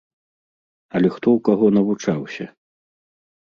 Але хто ў каго навучаўся?